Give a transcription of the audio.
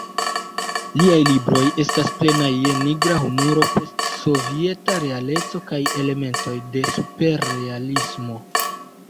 Liaj libroj estas plenaj je nigra humuro, post-sovieta realeco kaj elementoj de superrealismo.